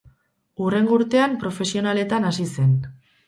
Hurrengo urtean, profesionaletan hasi zen.